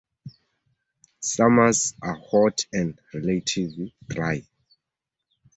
Summers are hot and relatively dry.